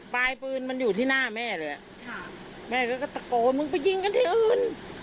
ปลายปืนมันอยู่ที่หน้าแม่เลยแม่ก็ตะโกนมึงไปยิงกันที่อื่น